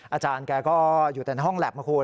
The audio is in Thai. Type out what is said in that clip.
อาจารย์แกก็อยู่แต่ในห้องแล็บนะคุณ